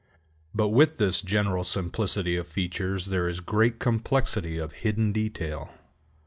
But with this general simplicity of features there is great complexity of hidden detail.